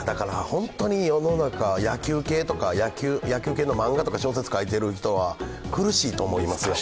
本当に世の中、野球系の漫画とか小説を書いている人は苦しいと思いますよ。